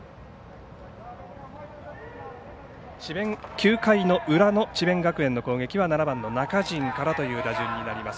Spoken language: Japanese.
９回の裏の奈良の智弁学園の攻撃は７番の中陳からという打順になります。